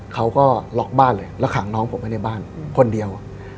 เขาก็ล็อกบ้านเลยแล้วขังน้องผมไว้ในบ้านคนเดียว